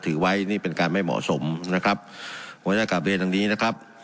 ถือไว้นี่เป็นการไม่เหมาะสมนะครับผมจะกลับเรียนอย่างนี้นะครับ